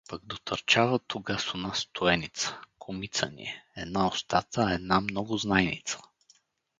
Пък дотърчава тогаз у нас Стоеница, кумица ни е, една устата, една много знайница.